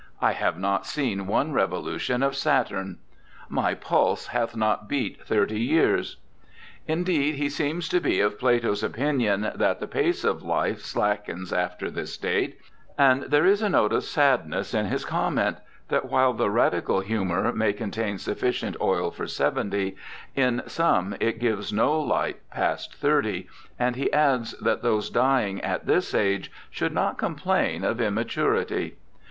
* I have not seen one revolution of Saturn.' ' My pulse hath not beat thirty years.' Indeed, he seems to be of Plato's opinion that the pace of life slackens after this date, and there is a note of sadness in his comment, that while the radical humour may contain sufficient oil for seventy, ' in some it gives no light past thirty,' and he adds that those dying at this age should not complain of immaturity.